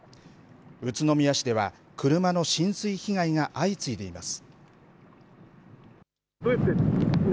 宇都宮市では、車の浸水被害が相次いでいます。